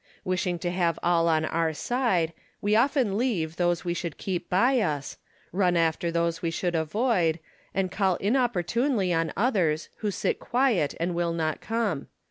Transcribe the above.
Wishing to have all on our side, we often leave those we should keep by us, run after those we should avoid, and call importunately on others who sit quiet and will not come.